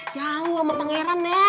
jauh sama pangeran neng